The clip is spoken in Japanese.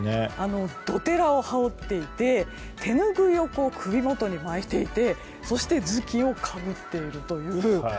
どてらを羽織っていて手ぬぐいを首元に巻いていてそして頭巾をかぶっているという。